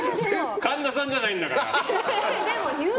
神田さんじゃないんだから！